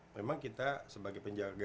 memang kita sebagai penjaga